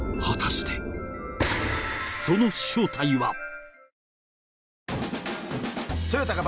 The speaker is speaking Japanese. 果たしてその正体は。